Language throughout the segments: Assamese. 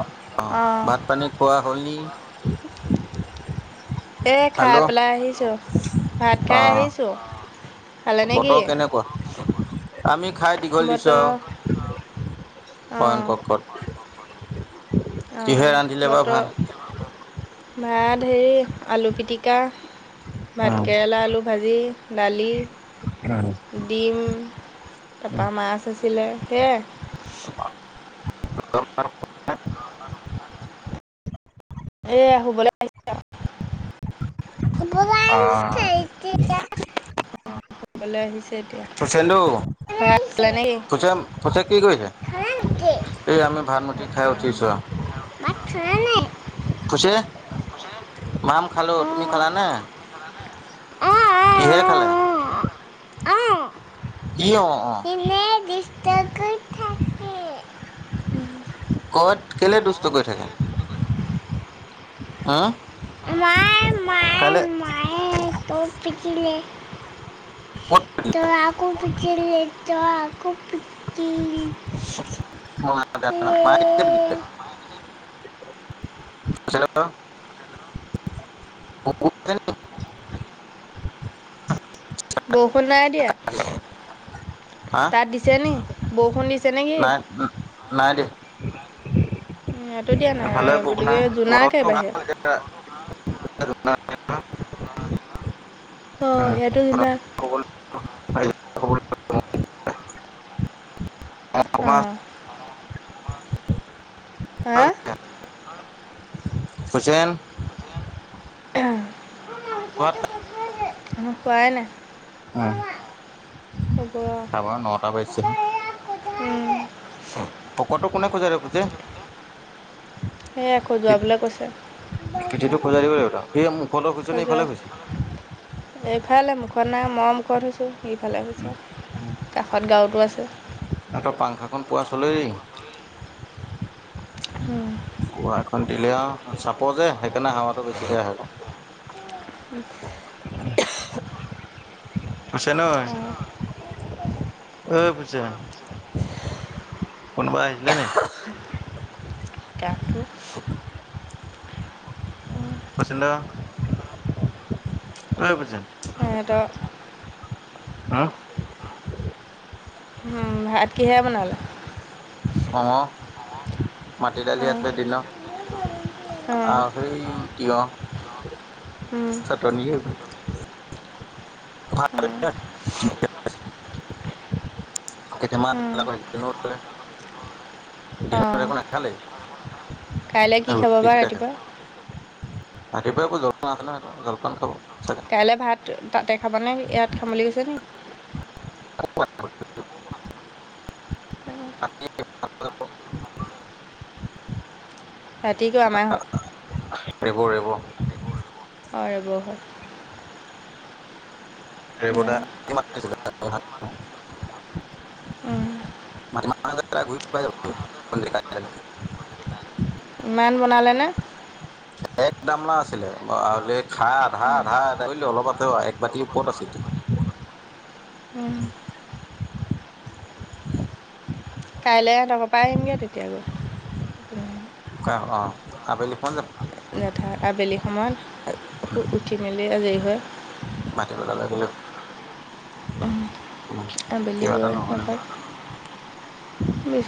অঁ অঁ' ভাত পানী খোৱা হ'লনি? এ খাই পেলাই আহিছোঁ, ভাত অ খাই আহিছোঁ। খালে নে বতৰ কি কেনেকুৱা, আমি খাই দীঘল দিছোঁ বতৰ আৰু। অইন অঁ ক'ত ক'ত? অঁ' বতৰ ভাত হেৰি আলু পিটিকা, ভাত উম কেৰেলা, আলু। ভাজি, দালি, উম। ডিম- তাৰপৰা মাছ আছিলে সেয়া। [unintelligible] এয়া শুবলৈ আহিছে, শুবলৈ অ আহিছে এ [unintelligible] শুবলৈ আহিছে এতিয়া। ফুচেন্দু ভাত খালে নে [unintelligible] কি কৰিলে? কি এই আমি ভাত মুঠি খালে নে খাই কি? উঠিছোঁ আৰু। ভাত খালা নাই? খুচী মাম খালো, তুমি অঁ খালা নাই? অঁ অঁ কিহেৰে খালে? [unintelligible] কি অ? অ এনে দুষ্ট কৰি থাকে। ক'ত কেলে দুষ্ট কৰি থাকে? হা মাৰ কাইলে তই পিটিলি ক'ত তই আকৌ পিটিলি। তই আকৌ পিটিল। মাইয়ে কেতিয়া পিটিছে। আছিলো। [unintelligible] বৰষুণ নাই দিয়া, হা তাত দিছে নি বৰষুণ দিছে নেকি? নাই নাই দিয়া ইয়াটো দিয়া নাই গতিকে জোনাকে বাহিৰত। অজ ই দা। অ ইয়াটো জোনা। অ। হা। হৈছেনে? হোৱা নাই। আমি খোৱাই নাই। অ মা। হ'ব, খাব নটা বাজিছে ত এইয়াত খজোৱাইচে। পদকটো কোনে খোৱাই দেখাইছে? এ খজোৱাবলৈ কৈছে। পিঠিটো খোজাই দিব লাগিব স মোৰ ফালৰ খুজছ খজুৱা নে। এইফালে মুখত নাই মই মুখত হৈছোঁ ইফালেছো কাষত গাঁৱতো আছে। এ তই পাংখাখন পোৱা চলে দেই। হুম। গোৱা এখন দিলে আ চাপ যে সেইকাৰণে হাৱাটো বেছিকে আহে। উম। হৈছে ন। অঁ অ', পিছে। কোনোবা আহিছিলে নি। কাষতো। খোচিল এই ফোচিন। হেহিটো। হা। উম ভাত কিহে বনালা। অঁঙ মাটি দালি অঁ আছে দিন অ', অঁ সেই তিয়াঁহ। চাতনিও। [unintelligible] কেতিয়া মাছা ন। দিনত অঁ একো নাখালে কাইলৈ অ কি খাব ৰোটি। বা ৰাতিপুৱা ৰাতিপুৱাই একো জলপান আছে ন সিহতৰ জলপান খাব চাগে। কাইলৈ ভাত খাব তাতে খাবা নে ইয়াত খাম বুলি কৈছে নি। [unintelligible] উম। ৰাতিক আমাৰে হয়। দিব দিব। [unintelligible] ৰেব ন দা উম। মাজে ম ঘূৰি পাই যাব। ইমান বনালে নে? এক গামলা আছিলে। খাত- আধা আধা আধা ব অলপ আছে একবতি ওপৰত আছে। কাইলে তহঁতৰ পৰাই আহিমগে তেতিয়া হলে। উম। অঁ অঁ আবেলি কোন যাব? লেঠা আবেলি সময়ত। উঠি মেলি আজৰি হয়। ভাটিবেলালৈ গ'লে কিবা এটা বেলিগৈ ল'বলৈ হ'ল। নাপাই।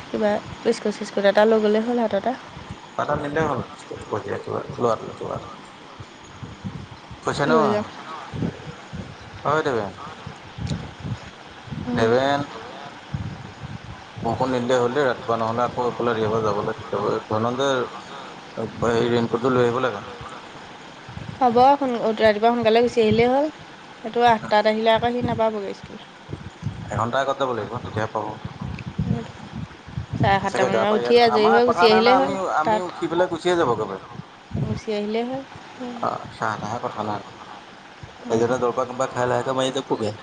কিবা বিস্কুট চিস্কুট এটা লৈ গ'লেই হ'ল হাতটে। [unintelligible] লৈ যাম [unintelligible] পেমেণ্ট। বৰষুণ নিদিলে হ'ল দেই ৰাতিপুৱা নহ'লে আকৌ এফালে ৰিবাৰ যাবলে। থিব ধৰ যে- এই ৰেনকোটটো লৈ আহিব লাগে। হ'ব সোন ৰাতিপুৱা সোনকালে গুচি আহিলেই হ'ল। সেইটো আঠটাত আহিলে আকৌ সি নাপাবগৈ স্কুল। এঘণ্টাৰ আগত যাব লাগিব তেতিয়াহে পাব। চাৰে চাগে গা সাতটামানত পা উঠি আজৰি হৈ গুচি আহিলেই হ'ল তাত। সিফালে গুচিয়ে যাবগে পাৰিম। গুছি আহিলে হ'ল। অ' চাহ নাহে কথা নাই। এজনে দৰবা কোবা খাই লাহেকে মাৰিতে পোগে।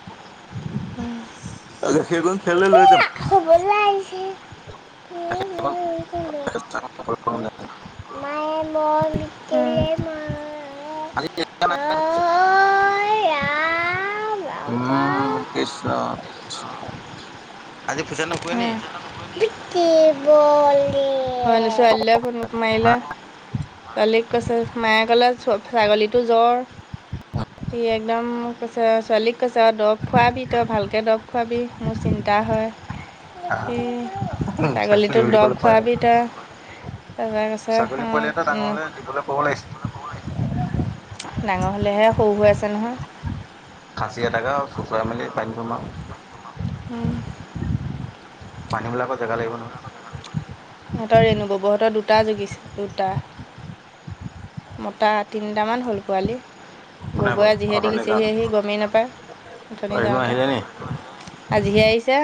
উম। আগ সেইবোৰ সেইখন খেললে লৈ যাম। শুবলৈ আহিছোঁ। [unintelligible] মায়ে মই। [unintelligible] অইয়া উম, কৃষ্ণ কৃষ্ণ। আজি পূজা নোখোৱা নি? [unintelligible] ছোৱালীক কৈছে, মায়ে ক'লে ছাগলীটো জ্বৰ। সি একদম- কৈছে ছোৱালীক কৈছে, অ' দৰৱ খোৱাবি, তই ভালকৈ দৰৱ খোৱাবি মোৰ চিন্তা হয়। সি অ'। [unintelligible] ছাগলীটোক দৰৱ খোৱাবি তই তাৰপৰা কৈছে ছাগলী "অ, পোৱালি এটা ডাঙৰ উম, হ'লে দিবলে ক'ব লাগিছিল। ডাঙৰ হ'লেহে, সৰু হৈ আছে নহয়। খাচী এটাকে চোঁচৰাই মেলি বান্ধি থম আৰু। উম। বান্ধিবলে আকৌ জেগা লাগিব নহয়। সিহঁতৰ, ৰেণুব'ব সেতৰ দুটা জগিছে দুটা। মতা তিনিটামান হ'ল পোৱালি। কোনে গ'ল ব'বয়ে যিহে দেখিছেহি গমে নাপায়। অ, অথনি ৰেণু যাওঁতে আহিলে নেকি? আজিহে আহিছে,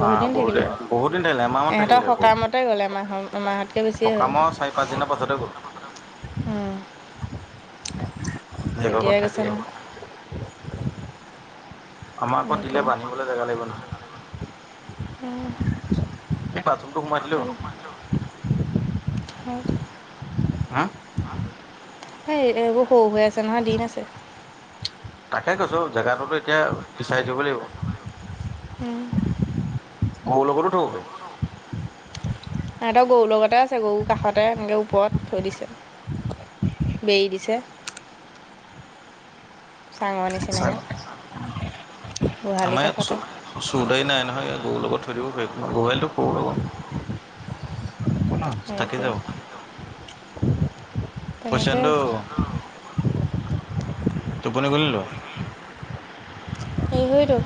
বহুতদিন থাকিলেগৈ। বহুত দিন থাকিলে এমাহমান ইহঁতৰ থাকিলে আকৌ সকামতে গ'ল মাহৰ এমাহতকৈ বেছিয়ে সকামৰ চাৰি হ'ল। পাঁচদিনৰ পাছতে গ'ল [inaudible] উম। জীয়েকৰ ঘৰত তেতিয়াই গৈছে থাকি নহয় আহিলে। আমাক আকৌ দিলে, এতিয়া বান্ধিবলৈ জেগা লাগিব নহয়। উম। [inaudible] উম। এই বাথৰুমটো সোমাই দিলো [unintelligible] উম। হা? এই এইবোৰ সৰু হৈ আছে নহয়, দিন আছে। তাকে কৈছো, জেগাটোতো এতিয়া বিচাৰি থব লাগিব। উম। গৰু লগটো থব পাৰি। সিহঁতৰ গৰুৰ লগতে আছে, গৰু কাষতে এনেকে ওপৰত থৈ দিছে। [unintelligible] বেৰি দিছে। চাঙৰ নিচিনাকে, গোহালিৰ কাষতে। চোৰ-টোৰ নাই নহয়, গৰুৰ লগত থৈ দিব পাৰিব, গৰু গোহালিটো সৰু হ'ব। [unintelligible] থাকি যাব। তেনেকেই প্ৰশান্ত আছে। টোপনি গ'ল নেকি ল'ৰা? অ, সেইটো,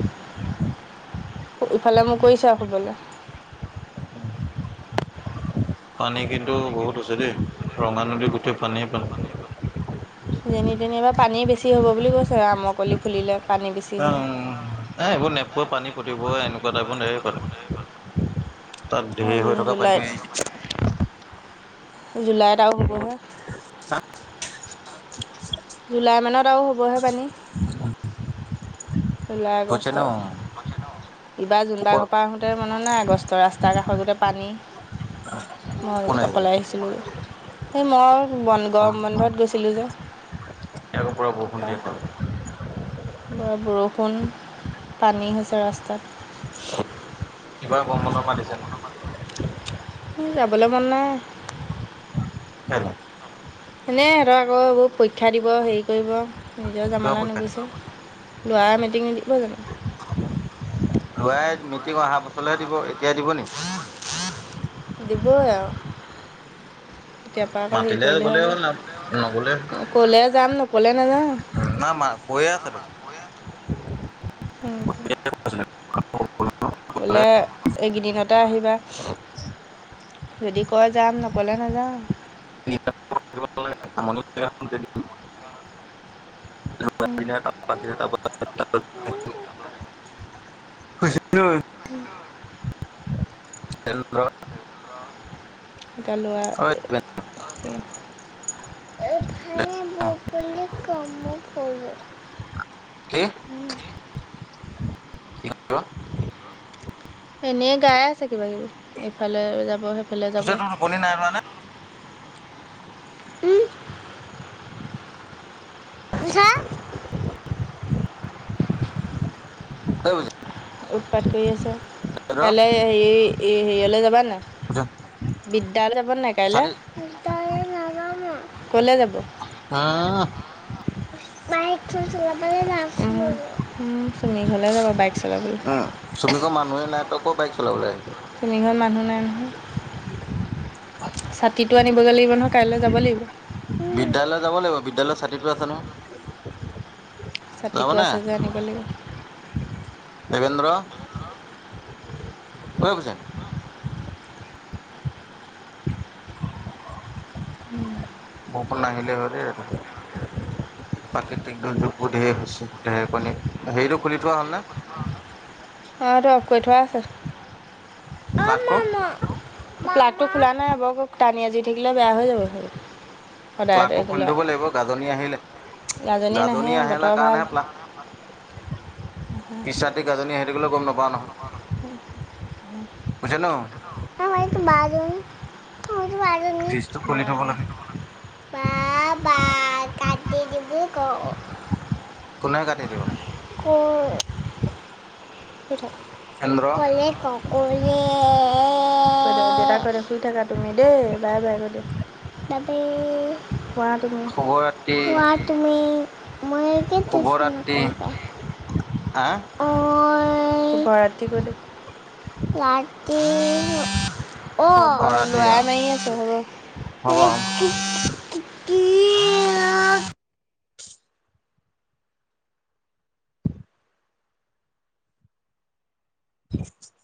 ইফালে মূৰ কৰিছে আৰু শুবলে। পানী কিন্তু বহুত হৈছে দেই, ৰঙা নদী গোটেই পানীয়ে পানী। যেনি তেনি ইবাৰ পানী বেছি হ'ব বুলি কৈছে, আৰু আমৰকলি। ফুলিলে পানী বেছি হয় উম, নাই এইবোৰ নেপোৱা পানী প্ৰতিবাৰে এনেকুৱা টাইপৰ পানী এৰে। তাত ঢেৰ জুন হৈ থকা জুলাইত পানীটো আহিছে। জুলাইত আৰু হ'বহে। [unintelligible] জুলাই মানত আৰু হ'বহে পানী। উম। জুলাই, আগষ্টত। এইবাৰ জুনবাৰ ওপৰ ঘৰ পৰা আহোঁ। তোৰ মনত নাই অগষ্টত ৰাস্তাৰ কাষত গোটেই পানী। মই কোন আহিলে অকলে আহিছিলোঁ। এই মই বন গৰম বন্ধত গৈছোঁ। গৈছিলোঁ যে। [unintelligible] এতিয়া আকৌ পুৰা বৰষুণ দি তাৰপৰা আছে নি? বৰষুণ পানী হৈছে ৰাস্তাত। এইবাৰ গৰম বন্ধৰ পৰা দিছে নহয়। যাবলৈ মন নাই। [unintelligible] এনেই, সিহঁতৰ আৰু আকৌ পৰীক্ষা দিব, হেৰি কৰিব, নিজৰ কিহৰ জামালা পৰীক্ষা দিম? নুগুছে। ল'ৰা মেট্ৰিক নিদিব জানো? ল'ৰাই মেট্ৰিক পৰীক্ষা আহা বছৰলৈহে দিব, এতিয়াই দিব নেকি? দিবই আৰু। এতিয়াৰ পৰা আকৌ হেৰি মাতিলে কৰিলে গ'লেই হ'ল না নগ'লে হ'ব, ক'লে যাম নকলে নাযাওঁ। নাই মা কৈয়ে আছে দেখুন। বোলে এইকেইদিনতে আহিবা। [unintelligible] যদি কয় যাম, নকলে নাযাওঁ। [unintelligible] [unintelligible] [unintelligible] [unintelligible] হেল্ল'। গানোৱা [unintelligible] [unintelligible] কি? এনেই গাই আছে কিবা কিবি ইফালে যাবহে [unintelligible] টোপনী নাই ধৰা নে? [unintelligible] উৎপাত কৰি আছে, কাইলৈ হেৰি হেৰিলৈ যাবানে নাই? বিদ্যালয় যাব নাই কাইলৈ, বিদ্যালয় নাযাও মই। [unintelligible] বাইক খন চলাব যাম চুমীঘলে যাব বাইক চলাবলৈ। চুমি ঘৰত মানুহে নাই, তই ক'ত বাইক চলাবলৈ আহিবি। চুমি ঘৰত মানুহ নাই নহয়। ছাতিটো আনিবগৈ লাগিব নহয় কাইলৈ যাব লাগিব। বিদ্যালয় যাব লাগিব বিদ্যালয় ছাতিটো আছে নহয়। ছাতিটো যাবনে আছে যে আনিব লাগিব। দেবেন্দ্ৰ। [unintelligible] উমঁ। বৰষুণ নাহিলেই হয় দে ৰাতিপুৱা। প্ৰাকৃতিক দুৰ্যোগ বোৰ ঢেৰ হৈছে, ঢেৰে কণী, হেৰিটো খুলি থোৱা হ'ল নে? অ' হেৰিটো অফ কৰি থোৱা আছে। প্লাগটো? প্লগটো খোলা নাই হ'ব, টানি আজুৰি থাকিলে বেয়া হৈ যাব হেই। প্লাগটো খুলি থব লাগিব গাজনি আহিলে, ৰাজনী নাহে গাজনি আহিলে বতৰ ভাল কাৰণেহে প্লাগ পিছৰাতি গাজনি আহি থাকিলেও গ'ম নাপাৱ নহয়। উমঁ' উমঁ'। [unintelligible] নো। [unintelligible] ফ্ৰিজটো খুলি বা থ'ব লাগিব। বা বা কাটি দিব ক। কোনে কাটি দিব? [unintelligible] শুই থাক চন্দ্ৰ কলে ক কলে দেতাক কৈ দে শুই থাক। তুমি দেই বাই বাই কৈ দিয়া, হোৱা তুমি। শুভৰাত্ৰি তুমি, মই কি শুভ টিউচন ৰাত্ৰি। কৰিবা আ' অ শুভ ৰাত্ৰি কৈ দে, ৰাতি। অ' ৰাতি ল'ৰাই অ মাৰি আছে হ'ব। হ'ব কি অ। হয় [unintelligible]